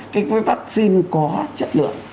cái vaccine có chất lượng